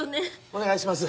お願いします